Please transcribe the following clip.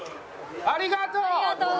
ありがとう！